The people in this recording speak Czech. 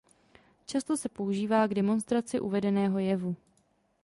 Často se používá k demonstraci uvedeného jevu.